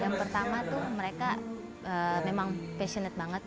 yang pertama tuh mereka memang passionate banget